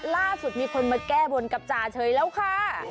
ล่าสุดมีคนมาแก้บนกับจ่าเฉยแล้วค่ะ